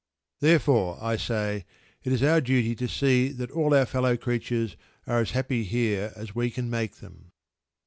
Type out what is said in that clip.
Therefore, I say, it is our duty to see that all our fellow creatures are as happy here as we can make them.